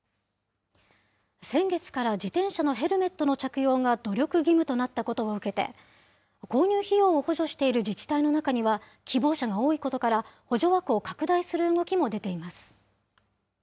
先月から自転車のヘルメットの着用が努力義務となったことを受けて、購入費用を補助している自治体の中には、希望者が多いことから、補助枠を拡大する動きも出ています。